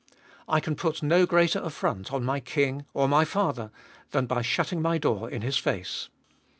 I can put no greater affront on my king, or my father, than by shutting my door in his face.